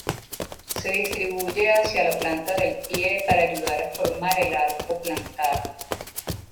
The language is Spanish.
Se distribuye hacia la planta del pie para ayudar a formar el arco plantar.